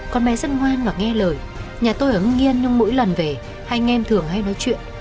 con bé rất ngoan và nghe lời nhà tôi ở hương yên nhưng mỗi lần về anh em thường hay nói chuyện